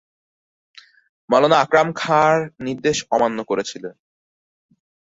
মওলানা আকরাম খাঁর নির্দেশ অমান্য করেছিলেন।